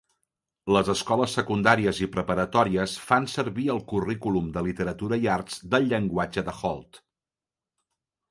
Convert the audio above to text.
Les escoles secundàries i preparatòries fan servir el currículum de Literatura i Arts del Llenguatge de Holt.